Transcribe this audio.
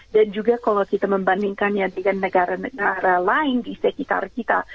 dan juga kalau kita membandingkannya dengan negara negara lain di sekitar kita